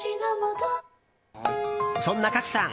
そんな賀来さん